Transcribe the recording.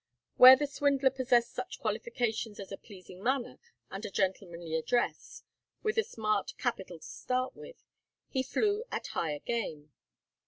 Where the swindler possessed such qualifications as a pleasing manner and a gentlemanly address, with a small capital to start with, he flew at higher game.